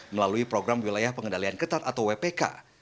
melalui program wilayah pengendalian ketat atau wpk